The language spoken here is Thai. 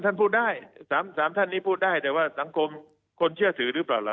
ท่านพูดได้๓ท่านนี้พูดได้แต่ว่าสังคมคนเชื่อถือหรือเปล่าล่ะ